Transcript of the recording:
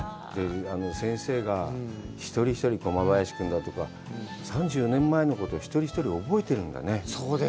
先生が一人一人、駒林君とか３４年前のこと、一人一人、覚えているんだね。